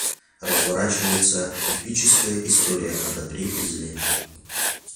разворачивается эпическая история о добре и зле